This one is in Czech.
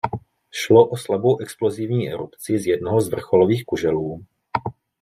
Šlo o slabou explozivní erupci z jednoho z vrcholových kuželů.